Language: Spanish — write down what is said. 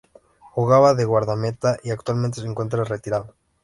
Jugaba de guardameta y actualmente se encuentra retirado.